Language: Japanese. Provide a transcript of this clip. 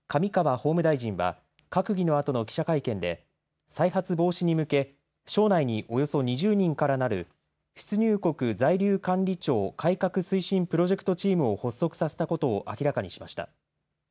法務大臣は閣議のあとの記者会見で再発防止に向け省内におよそ２０人からなる出入国在留管理庁改革推進プロジェクトチームを発足させたことを明らかにしました。